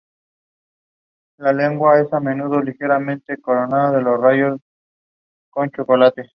Sin embargo, este hecho reduce la eficiencia del tornillo.